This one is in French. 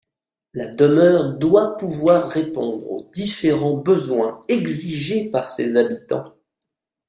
La demeure doit pouvoir répondre aux différents besoins exigés par ses habitants.